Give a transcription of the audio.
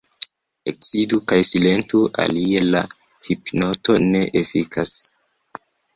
Eksidu kaj silentu, alie la hipnoto ne efikas.